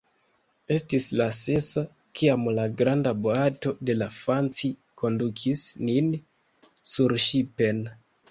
Estis la sesa, kiam la granda boato de la _Fanci_ kondukis nin surŝipen.